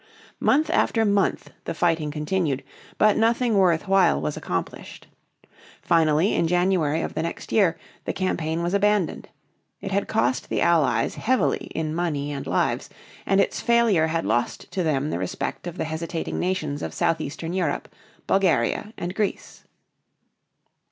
Month after month the fighting continued, but nothing worth while was accomplished. Finally, in January of the next year, the campaign was abandoned. It had cost the Allies heavily in money and lives, and its failure had lost to them the respect of the hesitating nations of southeastern Europe, Bulgaria and Greece.